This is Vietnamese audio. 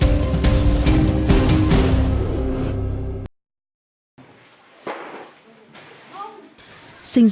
nước mắm truyền thống